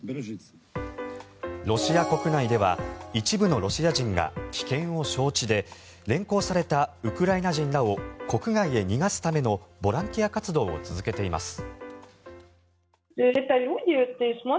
ロシア国内では一部のロシア人が危険を承知で連行されたウクライナ人らを国外へ逃がすためのボランティア活動を続けています。